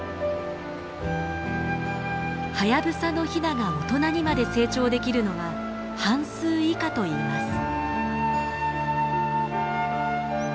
ハヤブサのヒナが大人にまで成長できるのは半数以下といいます。